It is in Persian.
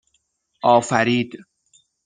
آفرید